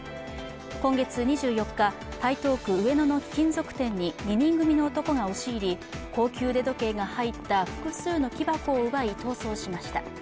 今月２４日、台東区上野の貴金属店に２人組の男が押し入り、高級腕時計が入った複数の木箱を奪い逃走しました。